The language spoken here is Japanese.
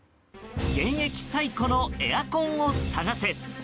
現役最古のエアコンを探せ。